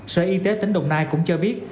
sở y tế tỉnh đồng nai cũng cho biết